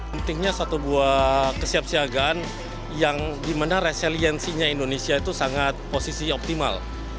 pentingnya satu buah kesiapsiagaan yang dimana resiliensinya indonesia itu sangat posisi optimal